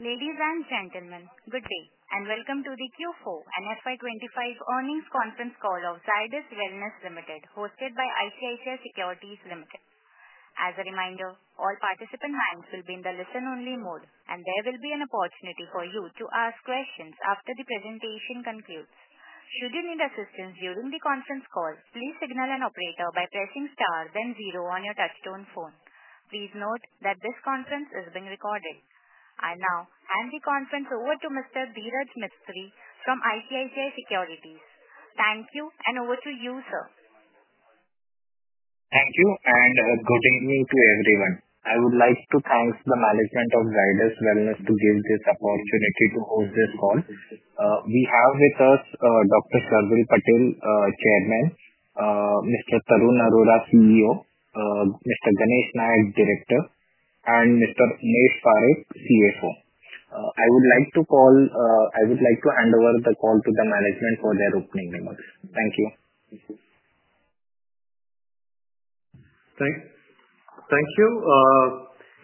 Ladies and gentlemen, good day and welcome to the Q4 and FY25 earnings conference call of Zydus Wellness Limited, hosted by ICICI Securities Limited. As a reminder, all participant lines will be in the listen-only mode, and there will be an opportunity for you to ask questions after the presentation concludes. Should you need assistance during the conference call, please signal an operator by pressing star, then zero on your touch-tone phone. Please note that this conference is being recorded. I now hand the conference over to Mr. Dhiraj Mistry from ICICI Securities. Thank you, and over to you, sir. Thank you, and good evening to everyone. I would like to thank the management of Zydus Wellness for giving this opportunity to host this call. We have with us Dr. Sharvil Patel, Chairman; Mr. Tarun Arora, CEO; Mr. Ganesh Nayak, Director; and Mr. Umesh Parikh, CFO. I would like to hand over the call to the management for their opening remarks. Thank you. Thank you.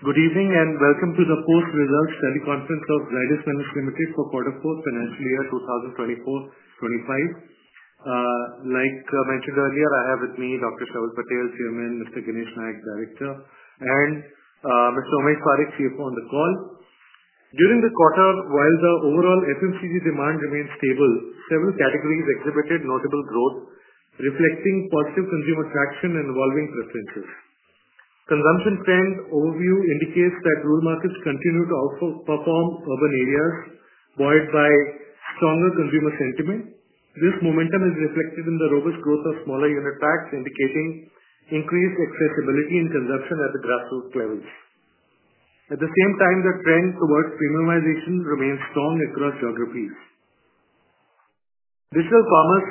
Good evening and welcome to the post-results teleconference of Zydus Wellness Limited for quarter four, financial year 2024-2025. Like mentioned earlier, I have with me Dr. Sharvil Patel, Chairman; Mr. Ganesh Nayak, Director; and Mr. Umesh Parikh, CFO, on the call. During the quarter, while the overall FMCG demand remained stable, several categories exhibited notable growth, reflecting positive consumer traction and evolving preferences. Consumption trend overview indicates that rural markets continue to outperform urban areas, buoyed by stronger consumer sentiment. This momentum is reflected in the robust growth of smaller unit packs, indicating increased accessibility and consumption at the grassroots levels. At the same time, the trend towards premiumization remains strong across geographies. Digital commerce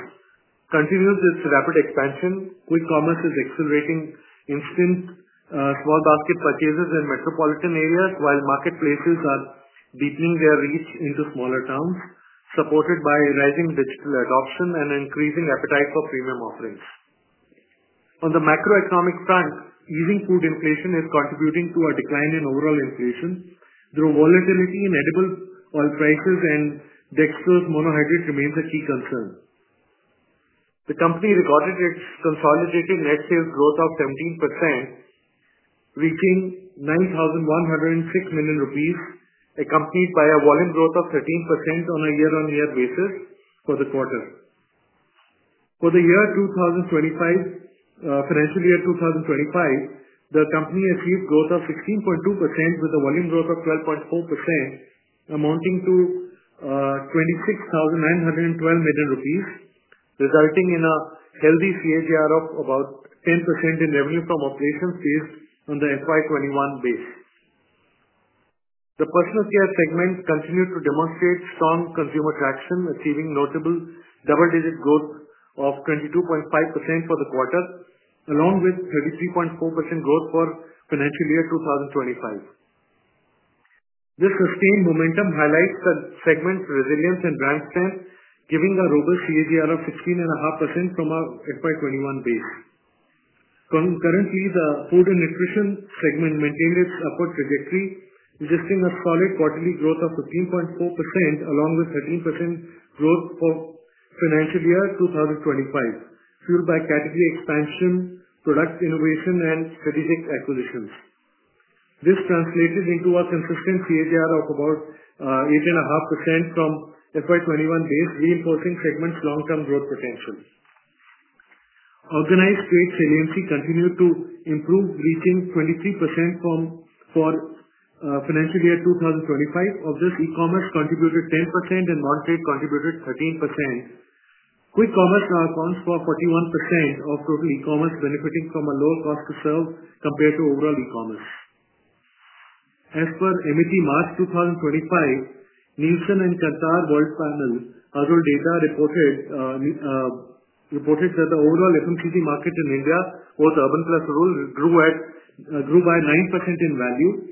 continues its rapid expansion. Quick commerce is accelerating instant small basket purchases in metropolitan areas, while marketplaces are deepening their reach into smaller towns, supported by rising digital adoption and increasing appetite for premium offerings. On the macroeconomic front, easing food inflation is contributing to a decline in overall inflation. The volatility in edible oil prices and dextrose monohydrate remains a key concern. The company recorded its consolidated net sales growth of 17%, reaching 90,106 million rupees, accompanied by a volume growth of 13% on a year-on-year basis for the quarter. For the year 2025, financial year 2025, the company achieved growth of 16.2% with a volume growth of 12.4%, amounting to 26,912 million rupees, resulting in a healthy CAGR of about 10% in revenue from operations based on the FY 2021 base. The personal care segment continued to demonstrate strong consumer traction, achieving notable double-digit growth of 22.5% for the quarter, along with 33.4% growth for financial year 2025. This sustained momentum highlights the segment's resilience and brand strength, giving a robust CAGR of 16.5% from our FY 2021 base. Currently, the food and nutrition segment maintained its upward trajectory, suggesting a solid quarterly growth of 15.4%, along with 13% growth for financial year 2025, fueled by category expansion, product innovation, and strategic acquisitions. This translated into a consistent CAGR of about 8.5% from FY 2021 base, reinforcing segment's long-term growth potential. Organized trade saliency continued to improve, reaching 23% for financial year 2025. Of this, e-commerce contributed 10% and non-trade contributed 13%. Quick commerce accounts for 41% of total e-commerce, benefiting from a lower cost to serve compared to overall e-commerce. As per MAT March 2025, Nielsen and Kantar World Panel household data reported that the overall FMCG market in India, both urban plus rural, grew by 9% in value, 6%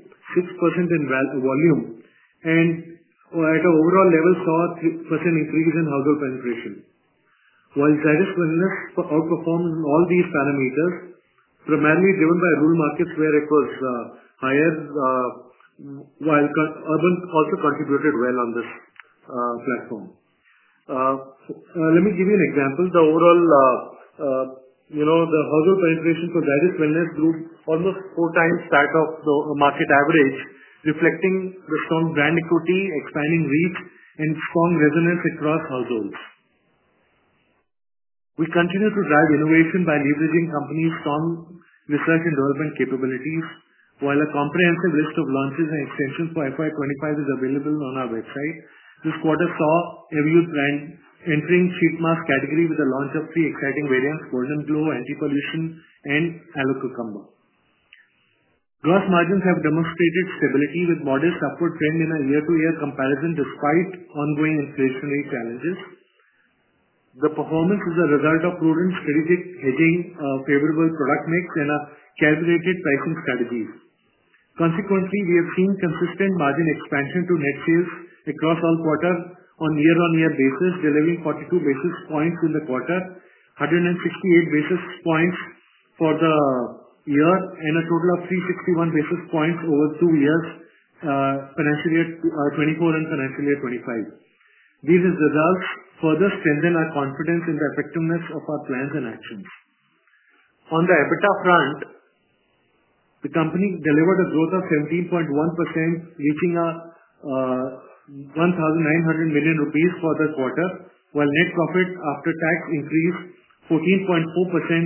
in volume, and at an overall level saw a 3% increase in household penetration. While Zydus Wellness outperformed in all these parameters, primarily driven by rural markets where it was higher, while urban also contributed well on this platform. Let me give you an example. The overall household penetration for Zydus Wellness grew almost four times that of the market average, reflecting the strong brand equity, expanding reach, and strong resonance across households. We continue to drive innovation by leveraging company's strong research and development capabilities, while a comprehensive list of launches and extensions for FY 2025 is available on our website. This quarter saw Everyuth brand entering sheet mask category with the launch of three exciting variants: Golden Glow, Anti-Pollution, and Aloe Cucumber. Gross margins have demonstrated stability with modest upward trend in a year-to-year comparison despite ongoing inflationary challenges. The performance is a result of prudent strategic hedging, a favorable product mix, and calculated pricing strategies. Consequently, we have seen consistent margin expansion to net sales across all quarters on a year-on-year basis, delivering 42 basis points in the quarter, 168 basis points for the year, and a total of 361 basis points over two years, financial year 2024 and financial year 2025. These results further strengthen our confidence in the effectiveness of our plans and actions. On the EBITDA front, the company delivered a growth of 17.1%, reaching 1,900 million rupees for the quarter, while net profit after tax increased 14.4%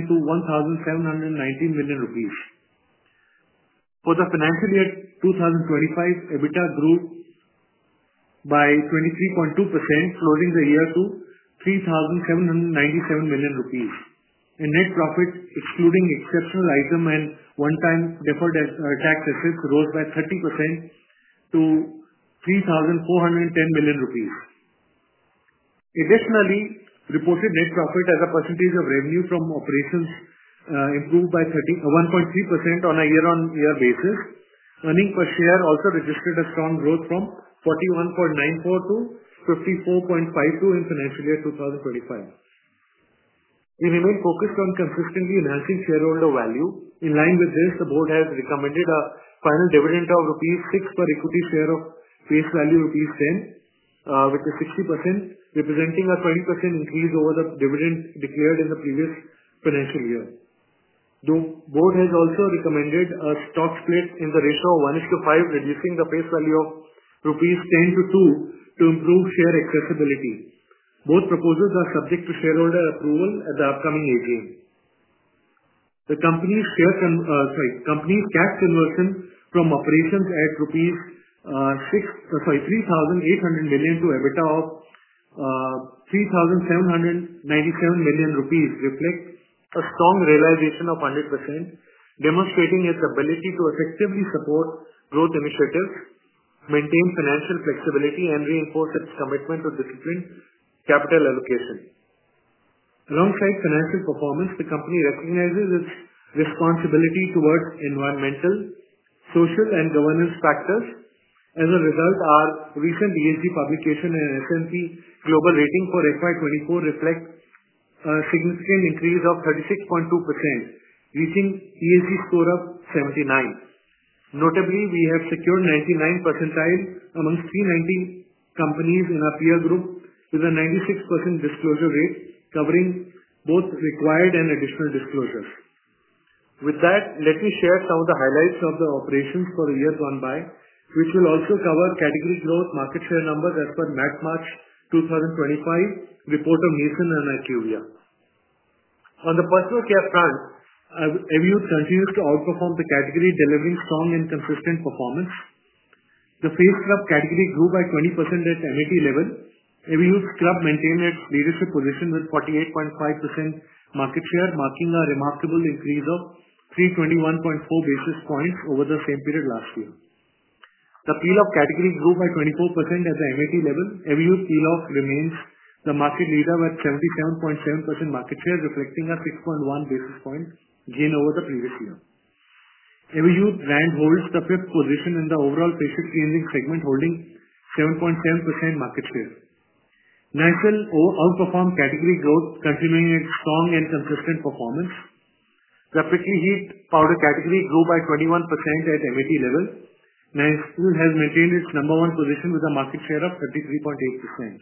to 1,719 million rupees. For the financial year 2025, EBITDA grew by 23.2%, closing the year to 3,797 million rupees. In net profit, excluding exceptional items and one-time deferred tax assets, it rose by 30% to INR 3,410 million. Additionally, reported net profit as a percentage of revenue from operations improved by 1.3% on a year-on-year basis. Earnings per share also registered a strong growth from 41.94 to 54.52 in financial year 2025. We remain focused on consistently enhancing shareholder value. In line with this, the board has recommended a final dividend of rupees 6 per equity share of face value rupees 10, which is 60%, representing a 20% increase over the dividend declared in the previous financial year. The board has also recommended a stock split in the ratio of 1:5, reducing the face value of rupees 10 to 2 to improve share accessibility. Both proposals are subject to shareholder approval at the upcoming hearing. The company's cash conversion from operations at 3,800 million to EBITDA of 3,797 million rupees reflects a strong realization of 100%, demonstrating its ability to effectively support growth initiatives, maintain financial flexibility, and reinforce its commitment to disciplined capital allocation. Alongside financial performance, the company recognizes its responsibility towards environmental, social, and governance factors. As a result, our recent ESG publication and S&P Global Rating for FY 2024 reflect a significant increase of 36.2%, reaching ESG score of 79. Notably, we have secured 99 percentile amongst 390 companies in our peer group with a 96% disclosure rate, covering both required and additional disclosures. With that, let me share some of the highlights of the operations for the year gone by, which will also cover category growth, market share numbers as per MAT March 2025 report of Nielsen and IQVIA. On the personal care front, Everyuth continues to outperform the category, delivering strong and consistent performance. The face scrub category grew by 20% at MAT level. Everyuth scrub maintained its leadership position with 48.5% market share, marking a remarkable increase of 321.4 basis points over the same period last year. The peel-off category grew by 24% at the MAT level. Everyuth peel-off remains the market leader with 77.7% market share, reflecting a 6.1 basis point gain over the previous year. Everyuth brand holds the fifth position in the overall patient cleansing segment, holding 7.7% market share. Nycil outperformed category growth, continuing its strong and consistent performance. The prickly heat powder category grew by 21% at MAT level. Nycil has maintained its number one position with a market share of 33.8%.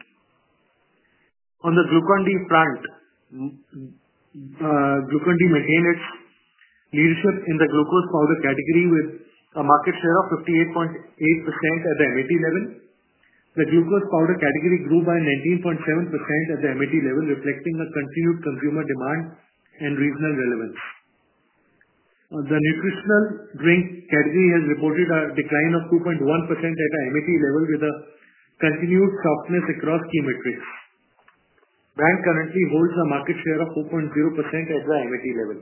On the Glucon-D front, Glucon-D maintained its leadership in the glucose powder category with a market share of 58.8% at the MAT level. The glucose powder category grew by 19.7% at the MAT level, reflecting a continued consumer demand and regional relevance. The nutritional drink category has reported a decline of 2.1% at the MAT level with a continued softness across key metrics. Brand currently holds a market share of 4.0% at the MAT level.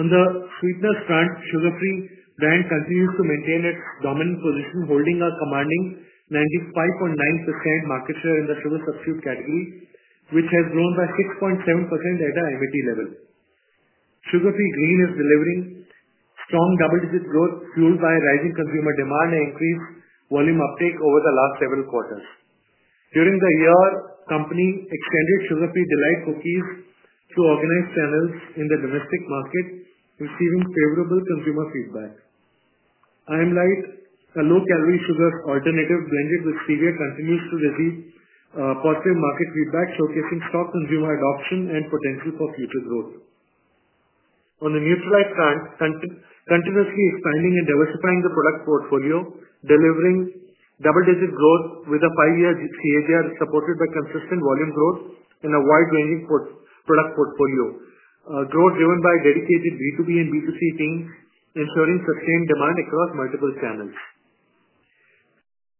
On the sweetness front, Sugar Free brand continues to maintain its dominant position, holding a commanding 95.9% market share in the sugar substitute category, which has grown by 6.7% at the MAT level. Sugar Free Green is delivering strong double-digit growth, fueled by rising consumer demand and increased volume uptake over the last several quarters. During the year, the company extended Sugar Free D'lite Cookies to organized channels in the domestic market, receiving favorable consumer feedback. I'm lite, a low-calorie sugar alternative blended with Stevia, continues to receive positive market feedback, showcasing strong consumer adoption and potential for future growth. On the nutritionals front, continuously expanding and diversifying the product portfolio, delivering double-digit growth with a five-year CAGR supported by consistent volume growth in a wide-ranging product portfolio. Growth driven by dedicated B2B and B2C teams, ensuring sustained demand across multiple channels.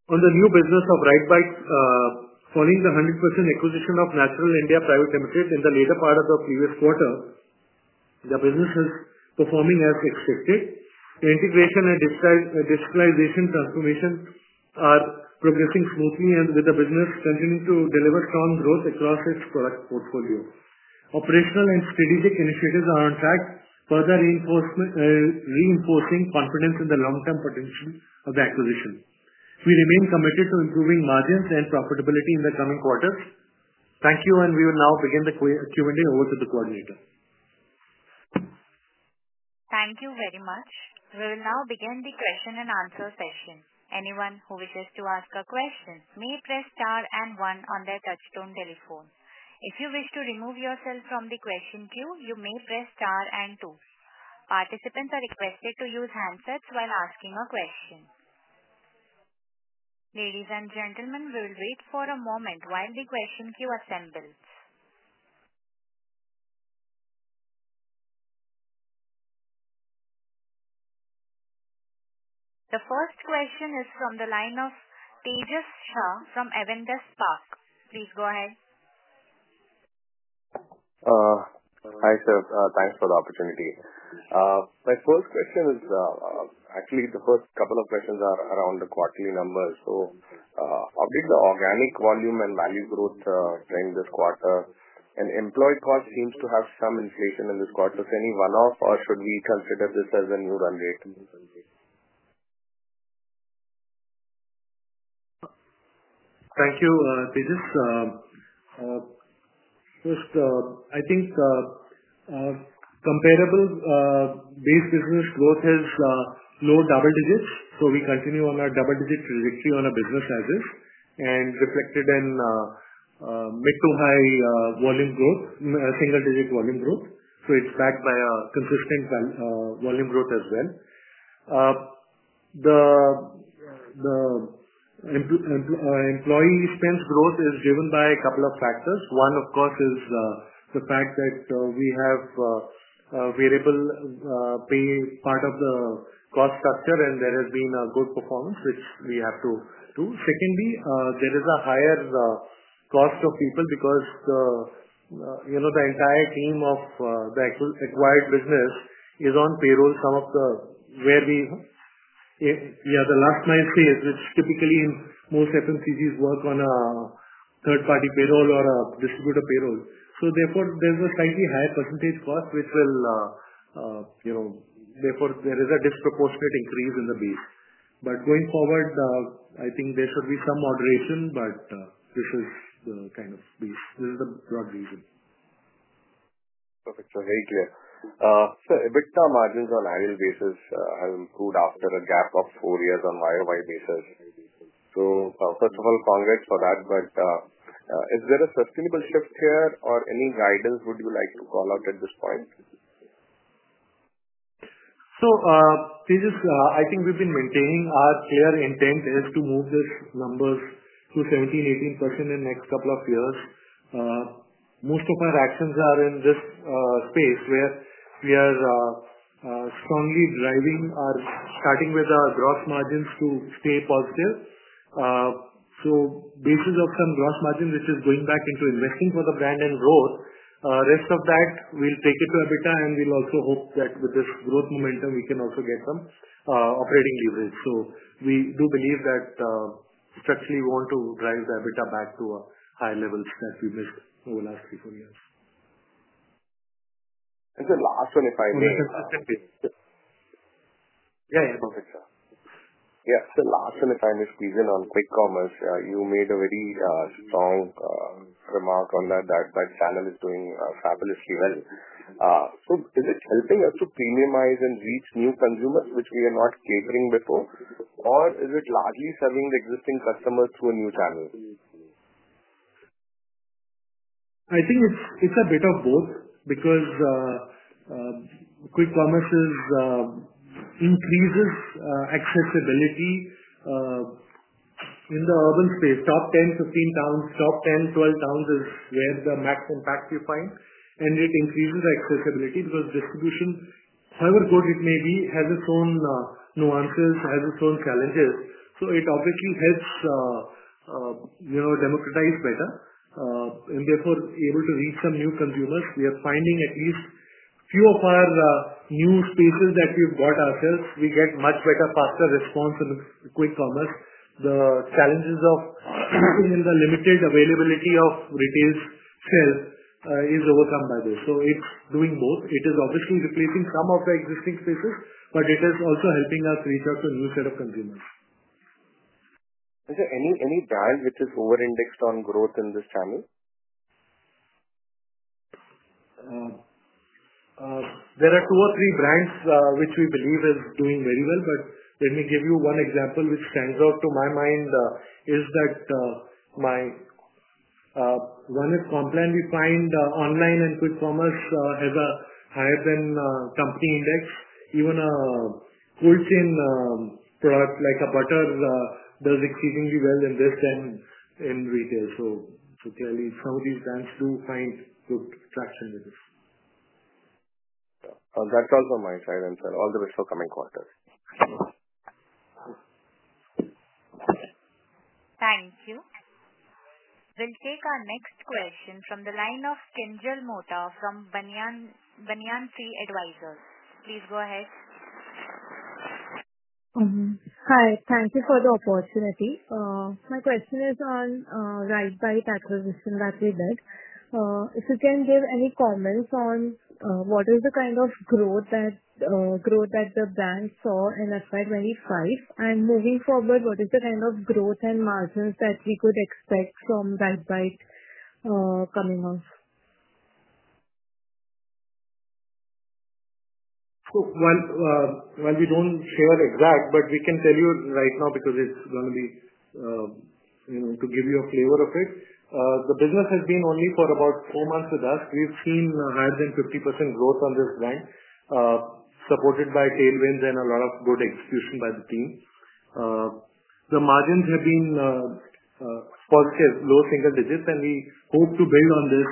On the new business of Ritebite, following the 100% acquisition of Naturell India Private Limited in the later part of the previous quarter, the business is performing as expected. Integration and digitalization transformation are progressing smoothly, and the business continues to deliver strong growth across its product portfolio. Operational and strategic initiatives are on track, further reinforcing confidence in the long-term potential of the acquisition. We remain committed to improving margins and profitability in the coming quarters. Thank you, and we will now begin the Q&A. Over to the coordinator. Thank you very much. We will now begin the question and answer session. Anyone who wishes to ask a question may press star and one on their touch-tone telephone. If you wish to remove yourself from the question queue, you may press star and two. Participants are requested to use handsets while asking a question. Ladies and gentlemen, we will wait for a moment while the question queue assembles. The first question is from the line of Tejas Shah from Avendus Spark. Please go ahead. Hi, sir. Thanks for the opportunity. My first question is actually the first couple of questions are around the quarterly numbers. How did the organic volume and value growth trend this quarter? Employee cost seems to have some inflation in this quarter. Is there any one-off, or should we consider this as a new run rate? Thank you, Tejas. First, I think comparable base business growth has low double digits, so we continue on our double-digit trajectory on our business as is, and reflected in mid to high volume growth, single-digit volume growth. It is backed by a consistent volume growth as well. The employee expense growth is driven by a couple of factors. One, of course, is the fact that we have variable pay part of the cost structure, and there has been a good performance, which we have to do. Secondly, there is a higher cost of people because the entire team of the acquired business is on payroll, some of the where we, yeah, the last mile sale, which typically most FMCGs work on a third-party payroll or a distributor payroll. Therefore, there is a slightly higher percentage cost, which will therefore, there is a disproportionate increase in the base. Going forward, I think there should be some moderation, but this is the kind of base. This is the broad reason. Perfect. Very clear. Sir, EBITDA margins on annual basis have improved after a gap of four years on a year-on-year basis. First of all, congrats for that, but is there a sustainable shift here, or any guidance would you like to call out at this point? Tejas, I think we have been maintaining our clear intent as to move these numbers to 17%-18% in the next couple of years. Most of our actions are in this space where we are strongly driving our starting with our gross margins to stay positive. So basis of some gross margin, which is going back into investing for the brand and growth. Rest of that, we'll take it to EBITDA, and we'll also hope that with this growth momentum, we can also get some operating leverage. We do believe that structurally, we want to drive the EBITDA back to higher levels that we missed over the last three, four years. The last one, if I may. Yeah, yeah. Perfect, sir. Yeah. The last one, if I may squeeze in on quick commerce, you made a very strong remark on that, that channel is doing fabulously well. Is it helping us to premiumize and reach new consumers, which we are not catering before, or is it largely serving the existing customers through a new channel? I think it's a bit of both because quick commerce increases accessibility in the urban space. Top 10, 15 towns, top 10, 12 towns is where the max impact you find, and it increases accessibility because distribution, however good it may be, has its own nuances, has its own challenges. It obviously helps democratize better, and therefore able to reach some new consumers. We are finding at least a few of our new spaces that we've got ourselves, we get much better, faster response in quick commerce. The challenges of using the limited availability of retail share is overcome by this. It is doing both. It is obviously replacing some of the existing spaces, but it is also helping us reach out to a new set of consumers. Is there any brand which is over-indexed on growth in this channel? There are two or three brands which we believe are doing very well, but let me give you one example which stands out to my mind is that my, one is Complan. We find online and quick commerce has a higher-than-company index. Even a whole chain product like a butter does exceedingly well in this than in retail. Clearly, some of these brands do find good traction with this. That's all from my side, and sir, all the best for coming quarters. Thank you. We'll take our next question from the line of Kinjal Mota from Banyan Tree Advisors. Please go ahead. Hi. Thank you for the opportunity. My question is on Ritebite acquisition that we did. If you can give any comments on what is the kind of growth that the brand saw in FY 2025, and moving forward, what is the kind of growth and margins that we could expect from Ritebite coming up? While we do not share exact, but we can tell you right now because it is going to be to give you a flavor of it. The business has been only for about four months with us. We have seen higher than 50% growth on this brand, supported by tailwinds and a lot of good execution by the team. The margins have been positive, low single digits, and we hope to build on this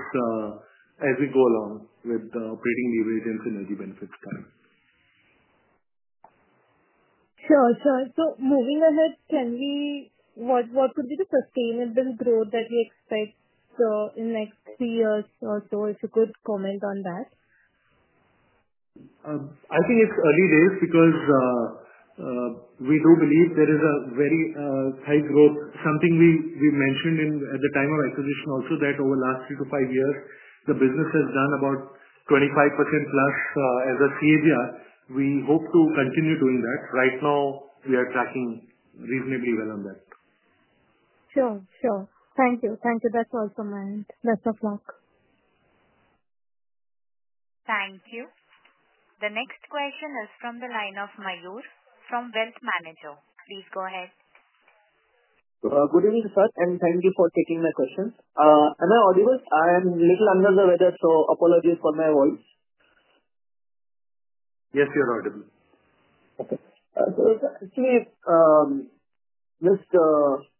as we go along with the operating leverage and synergy benefits coming. Sure, sure. Moving ahead, what would be the sustainable growth that we expect in the next three years or so? If you could comment on that. I think it's early days because we do believe there is a very high growth, something we mentioned at the time of acquisition also that over the last three to five years, the business has done about 25% plus as a CAGR. We hope to continue doing that. Right now, we are tracking reasonably well on that. Sure, sure. Thank you. Thank you. That's all from my end. Best of luck. Thank you. The next question is from the line of Mayur from Wealth Manager. Please go ahead. Good evening, sir, and thank you for taking my question. Am I audible? I am a little under the weather, so apologies for my voice. Yes, you're audible. Okay. So actually, just a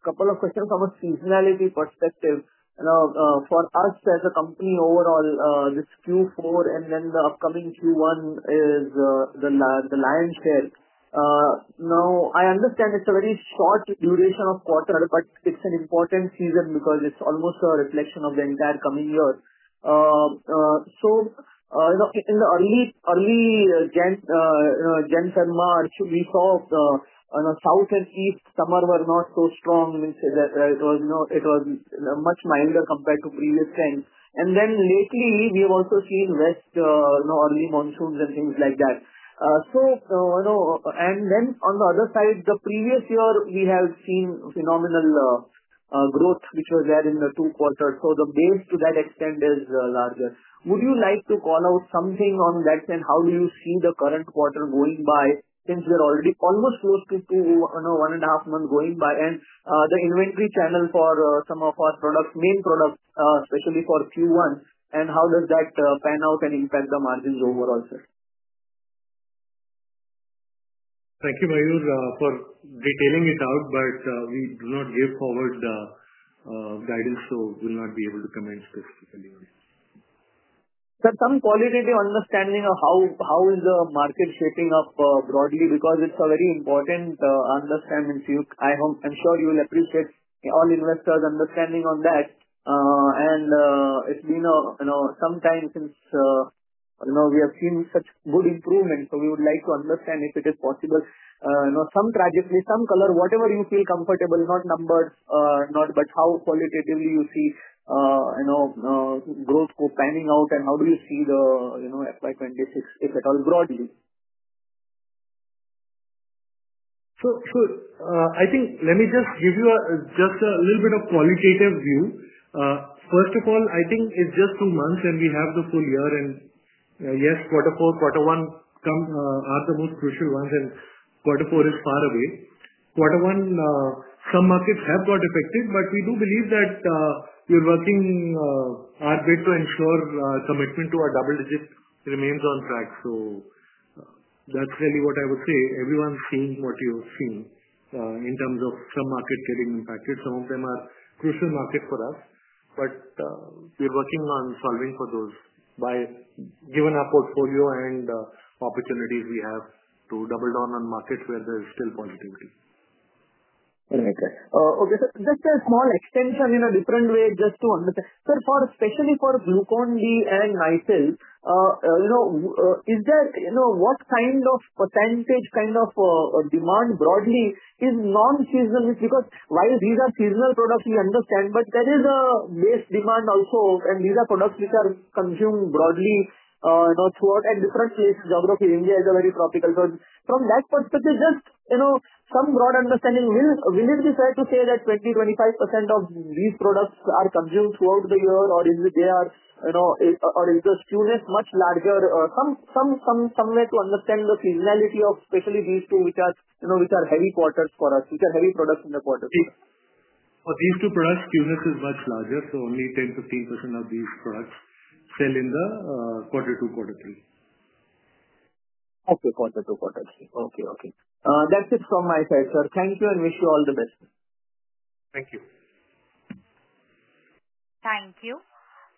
couple of questions from a seasonality perspective. Now, for us as a company overall, this Q4 and then the upcoming Q1 is the lion's share. Now, I understand it's a very short duration of quarter, but it's an important season because it's almost a reflection of the entire coming year. In the early Jan, Feb, March, we saw the south and east summer were not so strong. It was much milder compared to previous trends. Lately, we have also seen west early monsoons and things like that. On the other side, the previous year, we have seen phenomenal growth, which was there in the two quarters. The base to that extent is larger. Would you like to call out something on that, and how do you see the current quarter going by since we are already almost close to one and a half months going by, and the inventory channel for some of our products, main products, especially for Q1, and how does that pan out and impact the margins overall, sir? Thank you, Mayur, for detailing it out, but we do not give forward guidance, so we will not be able to comment specifically on it. Sir, some qualitative understanding of how is the market shaping up broadly because it is a very important understanding. I am sure you will appreciate all investors' understanding on that. It has been some time since we have seen such good improvement, so we would like to understand if it is possible. Some trajectory, some color, whatever you feel comfortable, not numbers, but how qualitatively you see growth panning out, and how do you see the FY 2026, if at all, broadly? Sure. I think let me just give you just a little bit of qualitative view. First of all, I think it's just two months, and we have the full year. Yes, quarter four, quarter one are the most crucial ones, and quarter four is far away. Quarter one, some markets have got affected, but we do believe that we're working our bit to ensure commitment to our double digit remains on track. That's really what I would say. Everyone's seeing what you've seen in terms of some markets getting impacted. Some of them are crucial markets for us, but we're working on solving for those by, given our portfolio and opportunities, we have to double down on markets where there's still positivity. Okay. Okay. Just a small extension in a different way just to understand. Sir, especially for Glucon-D and Nycil, is there, what kind of percentage kind of demand broadly is non-seasonal? Because while these are seasonal products, we understand, but there is a base demand also, and these are products which are consumed broadly throughout different geographies. India is a very tropical zone. From that perspective, just some broad understanding. Will it be fair to say that 20%-25% of these products are consumed throughout the year, or is the skewness much larger? Somewhere to understand the seasonality of especially these two which are heavy quarters for us, which are heavy products in the quarters. For these two products, skewness is much larger, so only 10%-15% of these products sell in the quarter two, quarter three. Okay. Quarter two, quarter three. Okay, okay. That's it from my side, sir. Thank you and wish you all the best. Thank you. Thank you.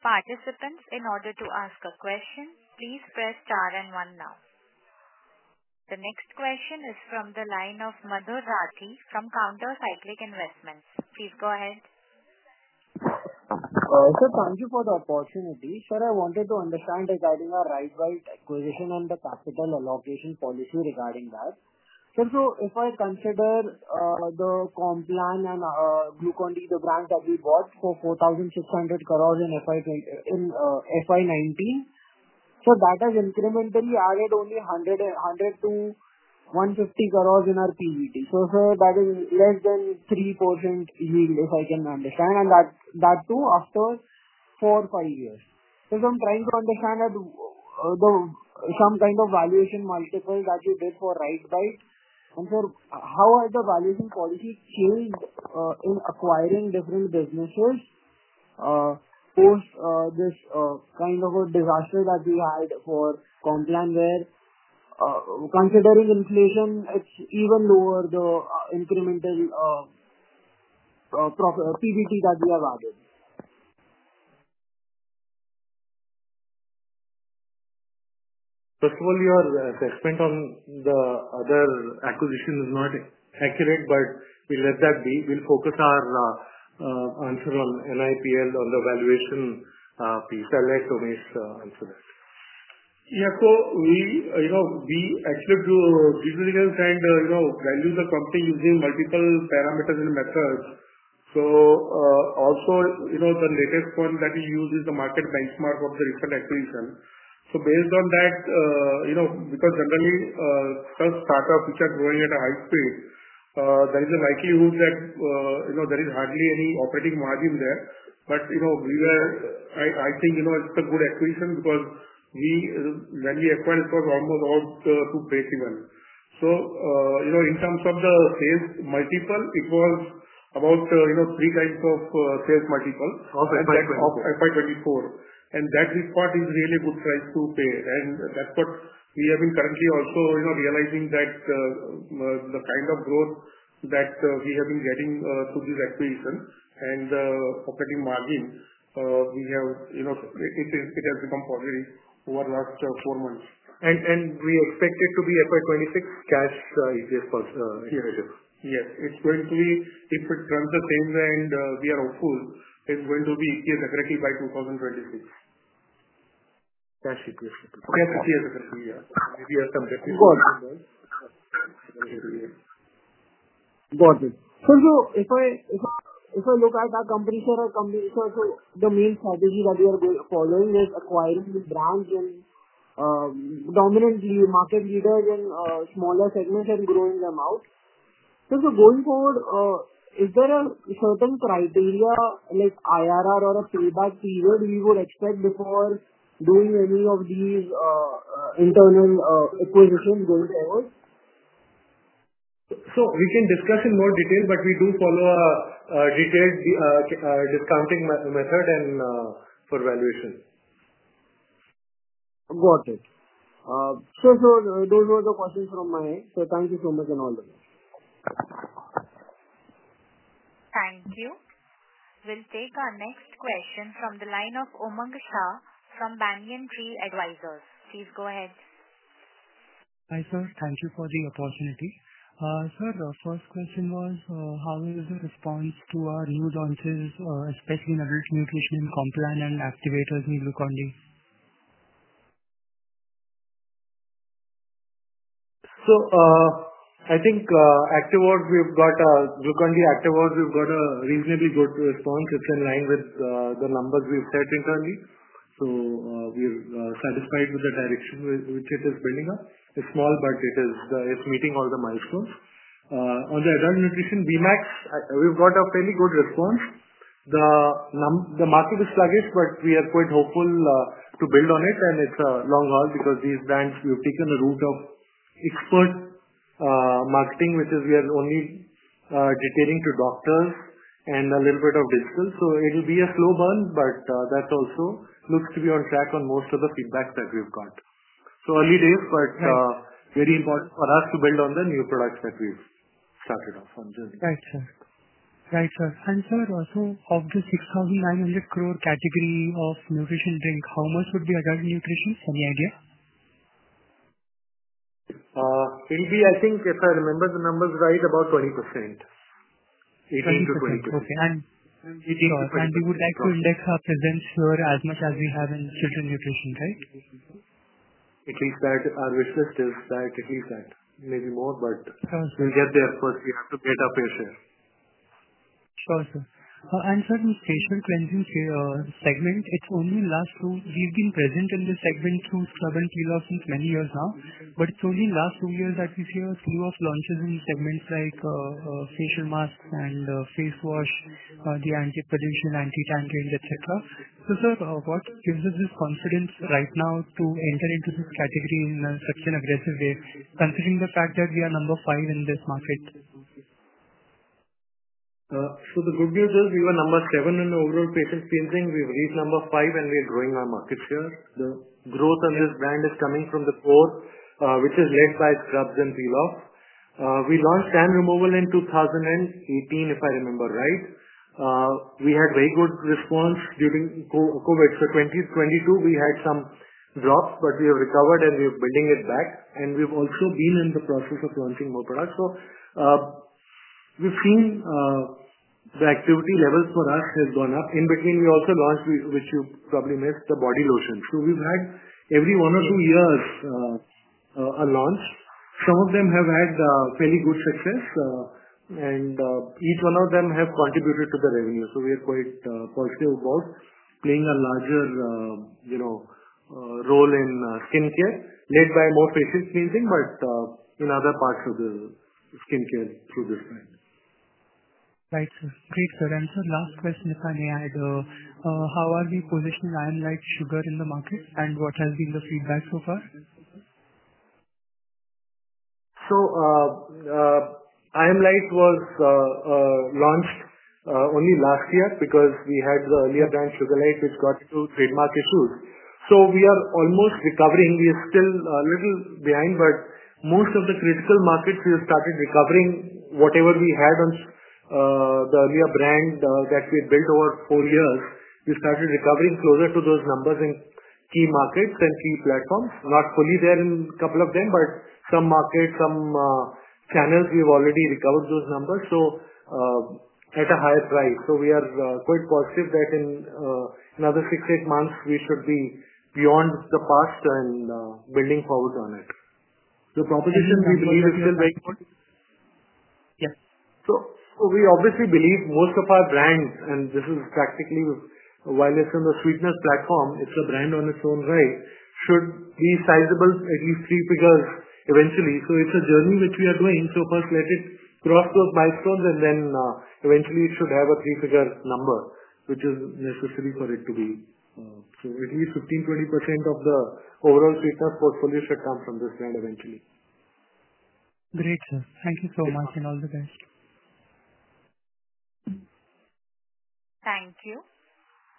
Participants, in order to ask a question, please press star and one now. The next question is from the line of Madhur Rathi from Counter Cyclic Investments. Please go ahead. Sir, thank you for the opportunity. Sir, I wanted to understand regarding our Ritebite acquisition and the capital allocation policy regarding that. Sir, if I consider the Complan and Glucon-D, the brands that we bought for 4,600 crore in FY 2019, that has incrementally added only 100-150 crore in our PBT. Sir, that is less than 3% yield, if I can understand, and that too after four, five years. I am trying to understand if there was some kind of valuation multiple that you did for Ritebite. Sir, how has the valuation policy changed in acquiring different businesses post this kind of a disaster that we had for Complan where, considering inflation, it is even lower, the incremental PBT that we have added? First of all, your assessment on the other acquisition is not accurate, but we will let that be. We will focus our answer on NIPL, on the valuation piece. I will let Umesh answer that. Yeah. We actually do due diligence and value the company using multiple parameters and methods. Also, the latest one that we use is the market benchmark of the recent acquisition. Based on that, because generally, for startups which are growing at a high speed, there is a likelihood that there is hardly any operating margin there. I think it is a good acquisition because when we acquired, it was almost all to break even. In terms of the sales multiple, it was about three times of sales multiple of FY 2024. That part is really a good price to pay. That is what we have been currently also realizing, that the kind of growth that we have been getting through this acquisition and the operating margin, it has become qualitative over the last four months. We expect it to be FY 2026 cash EPS accretive. Yes. It's going to be, if it runs the same way and we are hopeful, it's going to be EPS accretive by 2026. Cash EPS per share. Cash EPS accretive, yeah. Maybe there's some definition. Got it. Got it. If I look at our company, sir, the main strategy that we are following is acquiring the brands and dominantly market leaders in smaller segments and growing them out. Going forward, is there a certain criteria like IRR or a payback period we would expect before doing any of these internal acquisitions going forward? We can discuss in more detail, but we do follow a detailed discounting method and for valuation. Got it. Those were the questions from my end. Thank you so much and all the best. Thank you. We'll take our next question from the line of Umang Shah from Banyan Tree Advisors. Please go ahead. Hi sir, thank you for the opportunity. Sir, first question was how is the response to our new launches, especially in adult nutrition in Complan and Activors in Glucon-D? I think Activors, we've got Glucon-D Activors, we've got a reasonably good response. It's in line with the numbers we've set internally. We're satisfied with the direction which it is building up. It's small, but it's meeting all the milestones. On the adult nutrition, VieMax,, we've got a fairly good response. The market is sluggish, but we are quite hopeful to build on it, and it's a long haul because these brands, we've taken a route of expert marketing, which is we are only detailing to doctors and a little bit of digital. It will be a slow burn, but that also looks to be on track on most of the feedback that we've got. Early days, but very important for us to build on the new products that we've started off on. Right, sir. Right, sir. Sir, of the 6,900 crore category of nutrition drink, how much would be adult nutrition? Any idea? It will be, I think, if I remember the numbers right, about 20%. 18%-20%. Okay. We would like to index our presence here as much as we have in children's nutrition, right? At least that, our wish list is that at least that. Maybe more, but we'll get there first. We have to get our fair share. Sure, sir. Sir, in the facial cleansing segment, it's only the last two years we've been present in this segment through scrub and peel-off since many years now, but it's only the last two years that we see a slew of launches in segments like facial masks and face wash, the anti-pollution, anti-tan range, etc. Sir, what gives us this confidence right now to enter into this category in such an aggressive way, considering the fact that we are number five in this market? The good news is we were number seven in overall facial cleansing. We've reached number five, and we're growing our market share. The growth on this brand is coming from the core, which is led by scrubs and peel off. We launched tan removal in 2018, if I remember right. We had very good response during COVID. In 2022, we had some drops, but we have recovered, and we are building it back. We have also been in the process of launching more products. We have seen the activity level for us has gone up. In between, we also launched, which you probably missed, the body lotion. We have had every one or two years a launch. Some of them have had fairly good success, and each one of them has contributed to the revenue. We are quite positive about playing a larger role in skincare, led by more facial cleansing, but in other parts of the skincare through this brand. Right, sir. Great, sir. Sir, last question, if I may add, how are we positioning I'm lite sugar in the market, and what has been the feedback so far? I'm lite was launched only last year because we had the earlier brand Sugarlite, which got into trademark issues. We are almost recovering. We are still a little behind, but most of the critical markets, we have started recovering whatever we had on the earlier brand that we had built over four years. We started recovering closer to those numbers in key markets and key platforms. Not fully there in a couple of them, but some markets, some channels, we have already recovered those numbers, at a higher price. We are quite positive that in another six to eight months, we should be beyond the past and building forward on it. The proposition we believe is still very good. Yes. We obviously believe most of our brands, and this is practically while it's on the sweetness platform, it's a brand on its own right, should be sizable, at least three figures eventually. It's a journey which we are doing. First, let it cross those milestones, and then eventually, it should have a three-figure number, which is necessary for it to be. At least 15%-20% of the overall sweetness portfolio should come from this brand eventually. Great, sir. Thank you so much and all the best. Thank you.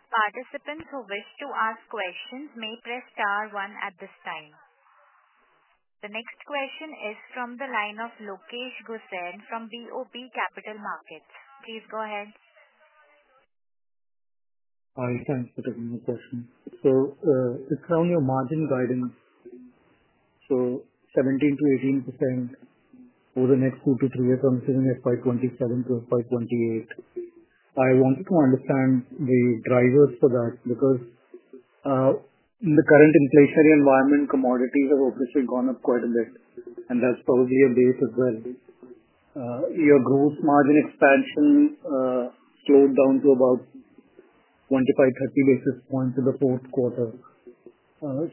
Participants who wish to ask questions may press star one at this time. The next question is from the line of Lokesh Ghosin from BOB Capital Markets. Please go ahead. Hi. Thanks for taking my question. It's around your margin guidance. 17%-18% over the next two to three years, I'm assuming FY 2027 to FY 2028. I wanted to understand the drivers for that because in the current inflationary environment, commodities have obviously gone up quite a bit, and that's probably a base as well. Your gross margin expansion slowed down to about 25, 30 basis points in the fourth quarter. While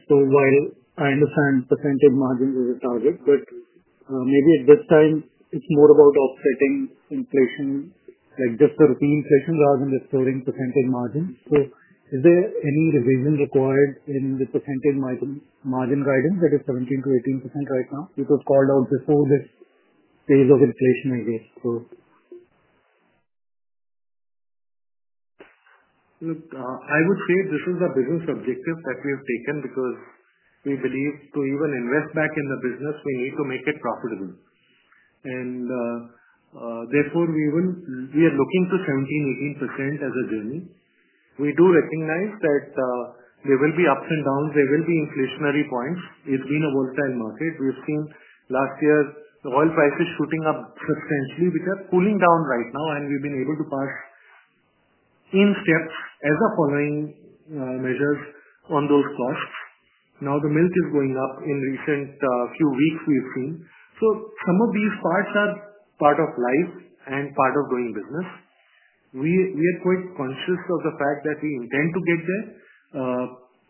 I understand percentage margin is a target, maybe at this time, it's more about offsetting inflation, just the rupee inflation rather than just covering percentage margin. Is there any revision required in the percentage margin guidance that is 17%-18% right now? It was called out before this phase of inflation, I guess. Look, I would say this is a business objective that we have taken because we believe to even invest back in the business, we need to make it profitable. Therefore, we are looking to 17%-18% as a journey. We do recognize that there will be ups and downs. There will be inflationary points. It's been a volatile market. We've seen last year, the oil prices shooting up substantially, which are cooling down right now, and we've been able to pass in steps as a following measures on those costs. Now, the milk is going up in recent few weeks, we've seen. Some of these parts are part of life and part of doing business. We are quite conscious of the fact that we intend to get there.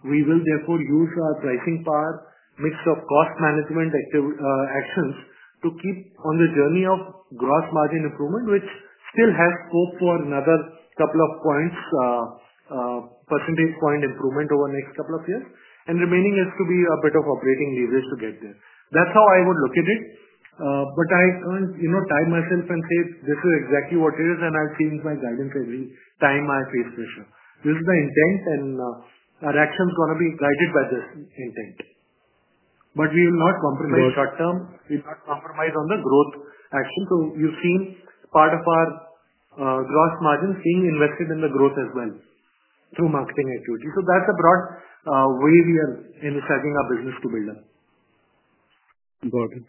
We will therefore use our pricing power mix of cost management actions to keep on the journey of gross margin improvement, which still has scope for another couple of percentage point improvement over the next couple of years. Remaining is to be a bit of operating leverage to get there. That is how I would look at it. I cannot tie myself and say, "This is exactly what it is," and I have changed my guidance every time I face pressure. This is the intent, and our action is going to be guided by this intent. We will not compromise short term. We will not compromise on the growth action. You have seen part of our gross margin being invested in the growth as well through marketing activity. That is a broad way we are in setting our business to build up. Got it.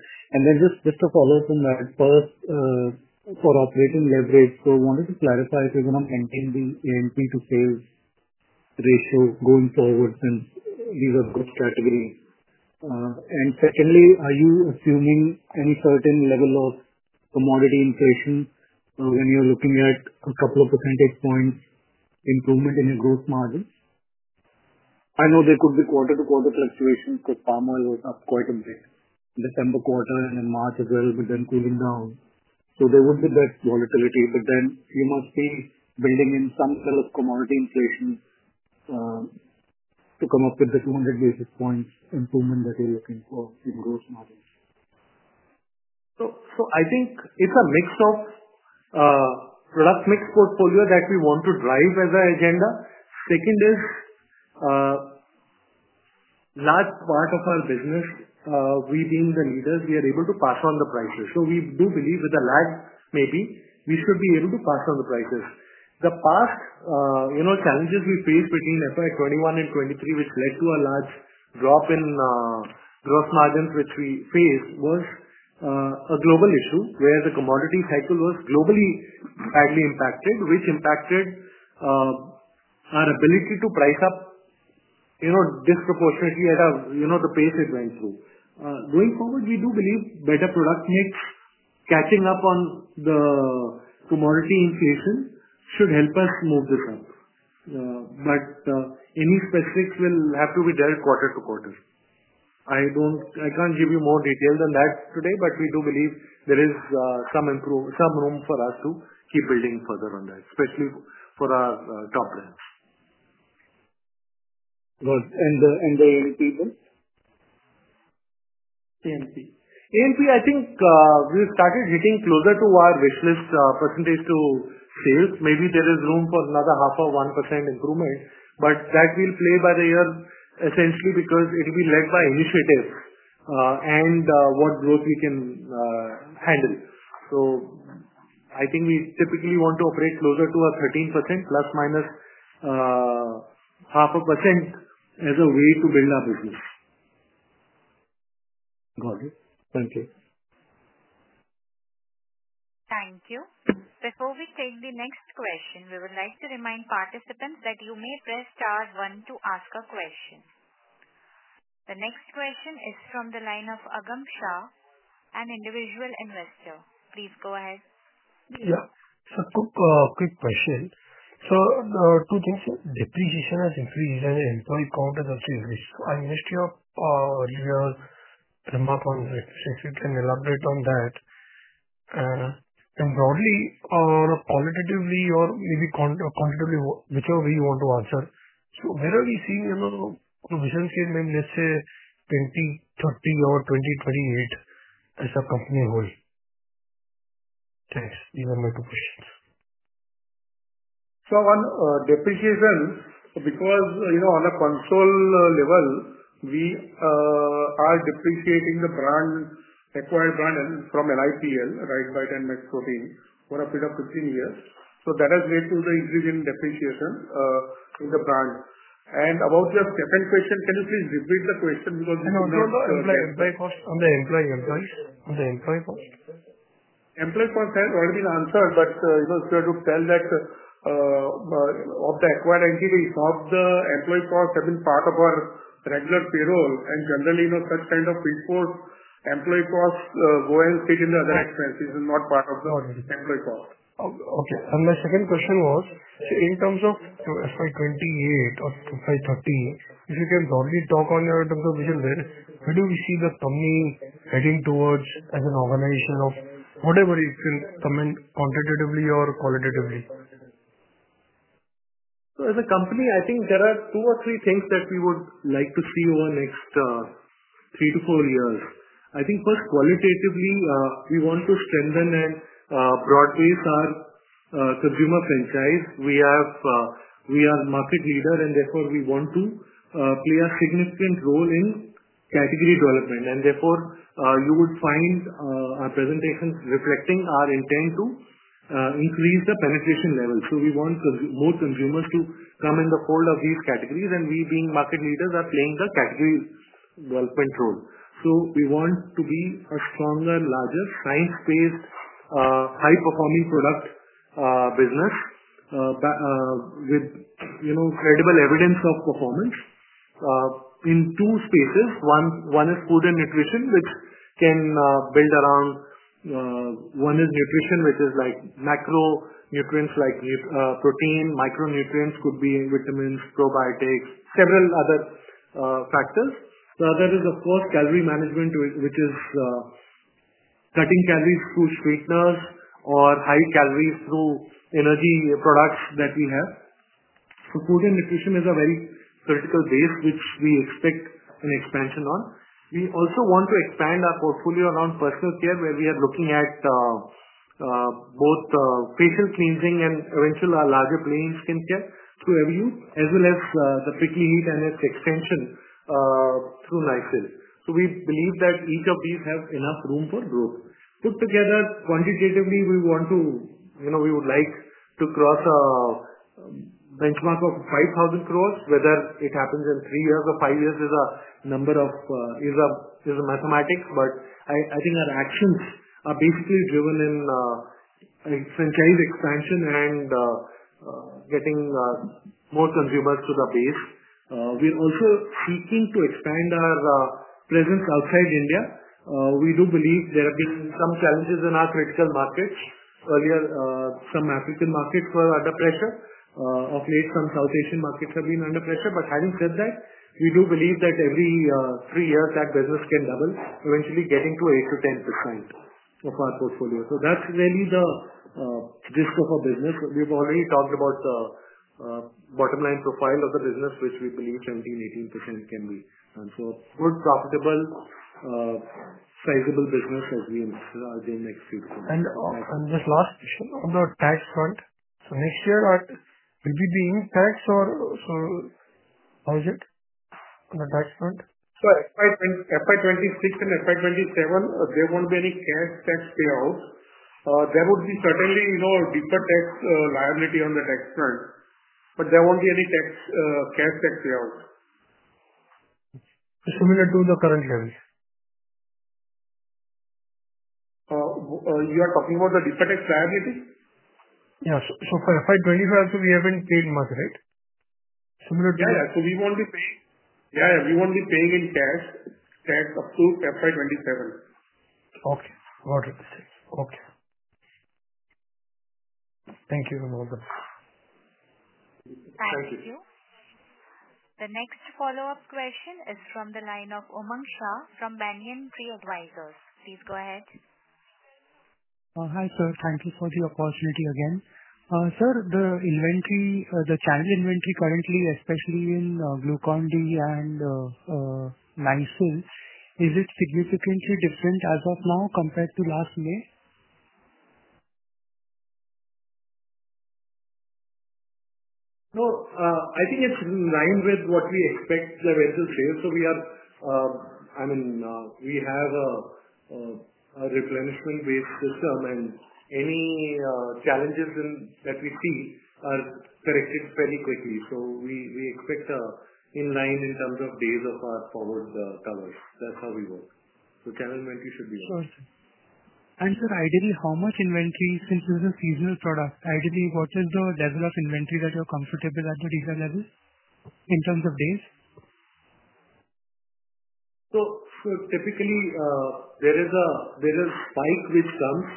Just to follow up on that, first, for operating leverage, I wanted to clarify if you are going to maintain the A&P to sales ratio going forward since these are good categories. Secondly, are you assuming any certain level of commodity inflation when you're looking at a couple of percentage points improvement in your gross margin? I know there could be quarter-to-quarter fluctuations because palm oil was up quite a bit in December quarter and in March as well, but then cooling down. There would be that volatility. You must be building in some level of commodity inflation to come up with the 200 basis points improvement that you're looking for in gross margins. I think it's a mix of product mix portfolio that we want to drive as our agenda. Second is, large part of our business, we being the leaders, we are able to pass on the prices. We do believe with the lag, maybe we should be able to pass on the prices. The past challenges we faced between FY 2021 and 2023, which led to a large drop in gross margins which we faced, was a global issue where the commodity cycle was globally badly impacted, which impacted our ability to price up disproportionately at the pace it went through. Going forward, we do believe better product mix, catching up on the commodity inflation should help us move this up. Any specifics will have to be there quarter to quarter. I cannot give you more detail than that today, but we do believe there is some room for us to keep building further on that, especially for our top brands. Got it. And the A&P then? A&P. A&P, I think we have started hitting closer to our wish list percentage to sales. Maybe there is room for another half of 1% improvement, but that will play by the year essentially because it will be led by initiatives and what growth we can handle. I think we typically want to operate closer to a 13%, ±0.5% as a way to build our business. Got it. Thank you. Thank you. Before we take the next question, we would like to remind participants that you may press star one to ask a question. The next question is from the line of Agam Shah, an individual investor. Please go ahead. Yeah. Quick question. Two things. Depreciation has increased and the employee count has also increased. I missed your earlier remarks on that specifically, if you can elaborate on that. Broadly, or qualitatively, or maybe quantitatively, whichever way you want to answer. Where are we seeing the provision here, let's say, 2030 or 2028 as a company evolve? Thanks. These are my two questions. On depreciation, because on a console level, we are depreciating the acquired brand from LIPL, right, by 10x protein, for a period of 15 years. That has led to the increase in depreciation in the brand. About your second question, can you please repeat the question because this is no On the employee cost? On the employee cost? Employee cost has already been answered, but if you were to tell that of the acquired entities, half the employee costs have been part of our regular payroll, and generally, such kind of field force employee costs go and sit in the other expenses. It's not part of the employee cost. Okay. My second question was, in terms of FY 2028 or FY 2030, if you can broadly talk on your terms of vision, where do we see the company heading towards as an organization, whatever it can come in quantitatively or qualitatively? As a company, I think there are two or three things that we would like to see over the next three to four years. First, qualitatively, we want to strengthen and broad base our consumer franchise. We are the market leader, and therefore, we want to play a significant role in category development. Therefore, you would find our presentations reflecting our intent to increase the penetration level. We want more consumers to come in the fold of these categories, and we, being market leaders, are playing the category development role. We want to be a stronger, larger, science-based, high-performing product business with credible evidence of performance in two spaces. One is food and nutrition, which can build around one is nutrition, which is macronutrients like protein. Micronutrients could be vitamins, probiotics, several other factors. The other is, of course, calorie management, which is cutting calories through sweeteners or high calories through energy products that we have. Food and nutrition is a very critical base, which we expect an expansion on. We also want to expand our portfolio around personal care, where we are looking at both facial cleansing and eventually a larger play in skincare through Everyuth, as well as the prickly heat and its extension through Nycil. We believe that each of these has enough room for growth. Put together, quantitatively, we want to, we would like to cross a benchmark of 5,000 crore, whether it happens in three years or five years is a number, is a mathematics, but I think our actions are basically driven in franchise expansion and getting more consumers to the base. We're also seeking to expand our presence outside India. We do believe there have been some challenges in our critical markets. Earlier, some African markets were under pressure. Of late, some South Asian markets have been under pressure. Having said that, we do believe that every three years, that business can double, eventually getting to 8&-10% of our portfolio. That's really the risk of our business. We've already talked about the bottom line profile of the business, which we believe 17&-18% can be. A good, profitable, sizable business as we invest in the next few years. Just last question on the tax front. Next year, will we be in tax or how is it on the tax front? For FY 2026 and FY 2027, there will not be any cash tax payout. There would certainly be a deeper tax liability on the tax front, but there will not be any cash tax payout. Similar to the current level? You are talking about the deeper tax liability? Yeah. For FY 2025, we have not paid much, right? Similar to that. Yeah. We won't be paying in cash tax up to FY 2027. Okay. Got it. Thank you. Thank you. The next follow-up question is from the line of Umang Shah from Banyan Tree Advisors. Please go ahead. Hi, sir. Thank you for the opportunity again. Sir, the channel inventory currently, especially in Glucon-D and Nycil, is it significantly different as of now compared to last May? No, I think it's in line with what we expect there is to say. We have a replenishment-based system, and any challenges that we see are corrected fairly quickly. We expect in line in terms of days of our forward colors. That's how we work. Channel inventory should be on. Sir, ideally, how much inventory, since this is a seasonal product, ideally, what is the level of inventory that you're comfortable at the dealer level in terms of days? Typically, there is a spike which comes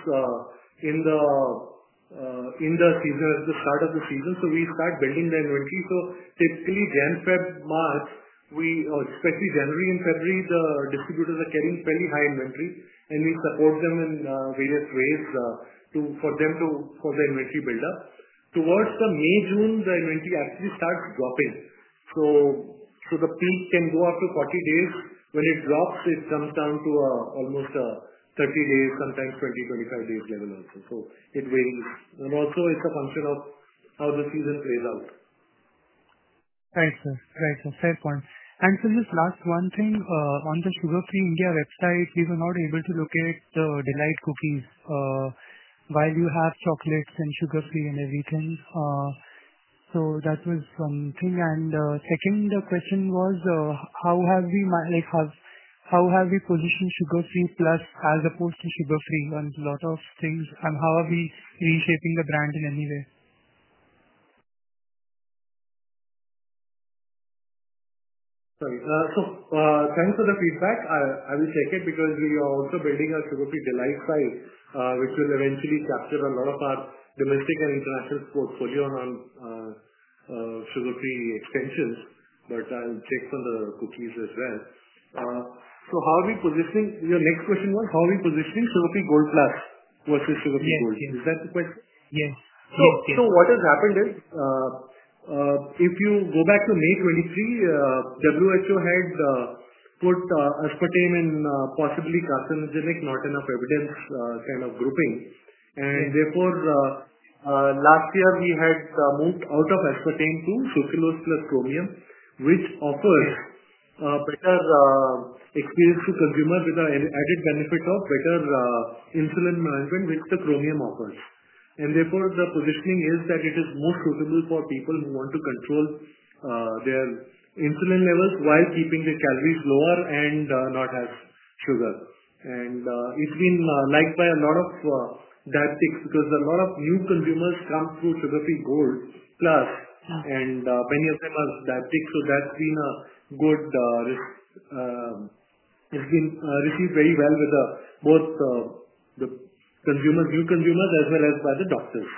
in the season at the start of the season. We start building the inventory. Typically, Jan, Feb, March, especially January and February, the distributors are carrying fairly high inventory, and we support them in various ways for the inventory build-up. Towards May, June, the inventory actually starts dropping. The peak can go up to 40 days. When it drops, it comes down to almost 30 days, sometimes 20, 25 days level also. It varies, and also, it is a function of how the season plays out. Thanks, sir. Thanks. Fair point. Sir, just last one thing. On the Sugar Free India website, we were not able to locate the D'lite cookies while you have chocolates and Sugar Free and everything. That was one thing. The second question was, how have we positioned Sugar Free Plus as opposed to Sugar Free on a lot of things, and how are we reshaping the brand in any way? Sorry. Thanks for the feedback. I will check it because we are also building a Sugar Free D'litet site, which will eventually capture a lot of our domestic and international portfolio on Sugar Free extensions, but I'll check on the cookies as well. Your next question was, how are we positioning Sugar Free Gold Plus versus Sugar Free Gold? Is that the question? Yes. Yes. What has happened is, if you go back to May 2023, WHO had put aspartame in possibly carcinogenic, not enough evidence kind of grouping. Therefore, last year, we had moved out of aspartame to sucralose plus chromium, which offers a better experience to consumers with the added benefit of better insulin management, which the chromium offers. Therefore, the positioning is that it is more suitable for people who want to control their insulin levels while keeping their calories lower and not as sugar. It has been liked by a lot of diabetics because a lot of new consumers come through Sugar Free Gold Plus, and many of them are diabetics. That has been a good, it has been received very well with both the new consumers as well as by the doctors.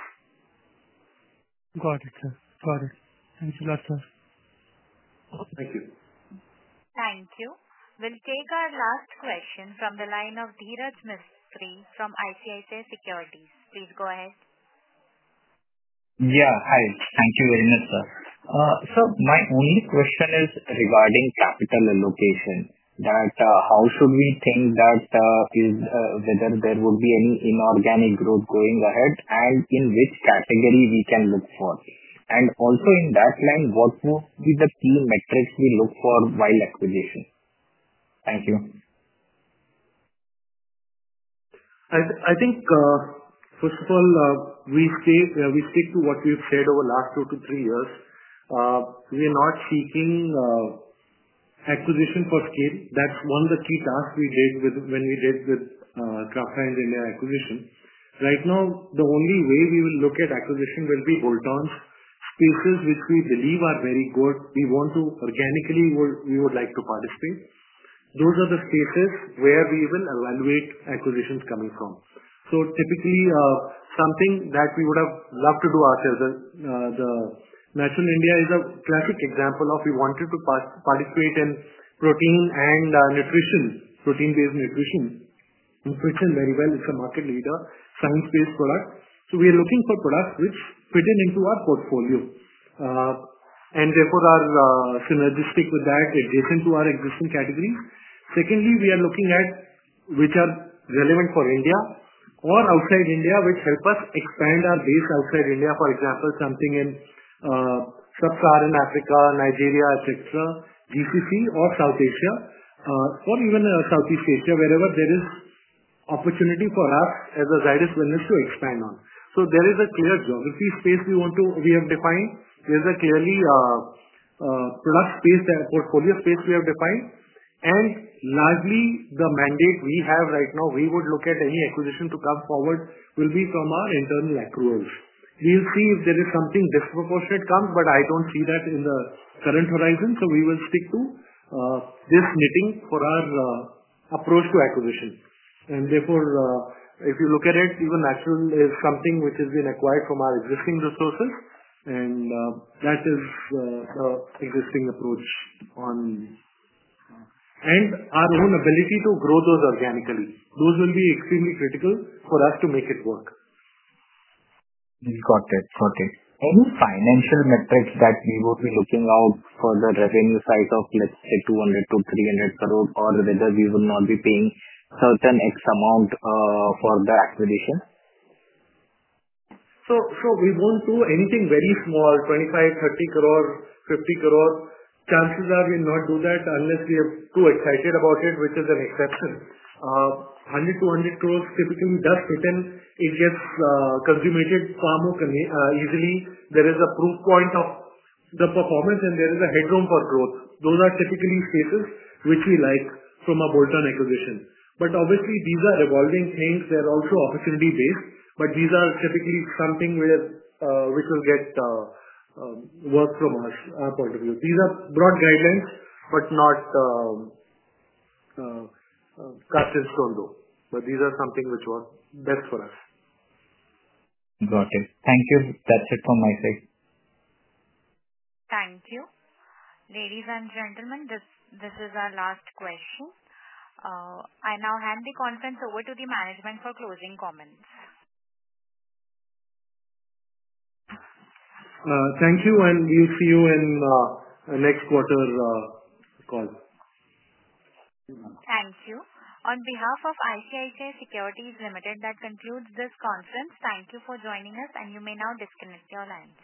Got it, sir. Got it. Thank you a lot, sir. Thank you. Thank you. We will take our last question from the line of Dhiraj Mistry from ICICI Securities. Please go ahead. Yeah. Hi. Thank you very much, sir. Sir, my only question is regarding capital allocation. How should we think that whether there would be any inorganic growth going ahead and in which category we can look for? Also in that line, what would be the key metrics we look for while acquisition? Thank you. I think, first of all, we stick to what we've said over the last two to three years. We are not seeking acquisition for scale. That's one of the key tasks we did when we did the Kraft Heinz India acquisition. Right now, the only way we will look at acquisition will be bolt-on spaces, which we believe are very good. We want to organically we would like to participate. Those are the spaces where we will evaluate acquisitions coming from. Typically, something that we would have loved to do ourselves, the Naturell India is a classic example of we wanted to participate in protein and nutrition, protein-based nutrition. Nutrition, very well, is a market leader, science-based product. We are looking for products which fit into our portfolio and therefore are synergistic with that, adjacent to our existing categories. Secondly, we are looking at which are relevant for India or outside India, which help us expand our base outside India, for example, something in Sub-Saharan Africa, Nigeria, et cetera, GCC, or South Asia, or even Southeast Asia, wherever there is opportunity for us as a Zydus business to expand on. There is a clear geography space we have defined. There is a clearly product space, portfolio space we have defined. Largely, the mandate we have right now, we would look at any acquisition to come forward will be from our internal accruals. We will see if there is something disproportionate come, but I do not see that in the current horizon. We will stick to this knitting for our approach to acquisition. Therefore, if you look at it, even Naturell is something which has been acquired from our existing resources, and that is the existing approach on and our own ability to grow those organically. Those will be extremely critical for us to make it work. Got it. Got it. Any financial metrics that we would be looking out for the revenue side of, let's say, 200 crore to 300 crore, or whether we would not be paying certain X amount for the acquisition? We will not do anything very small, 25 crore, 30 crore, 50 crore. Chances are we will not do that unless we are too excited about it, which is an exception. 100 crore, 200 crore typically does fit in. It gets consummated far more easily. There is a proof point of the performance, and there is a headroom for growth. Those are typically spaces which we like from a bolt-on acquisition. Obviously, these are evolving things. They're also opportunity-based, but these are typically something which will get work from us, our point of view. These are broad guidelines, but not cast in stone, though. These are something which work best for us. Got it. Thank you. That's it from my side. Thank you. Ladies and gentlemen, this is our last question. I now hand the conference over to the management for closing comments. Thank you, and we'll see you in next quarter call. Thank you. On behalf of ICICI Securities Limited, that concludes this conference. Thank you for joining us, and you may now disconnect your line.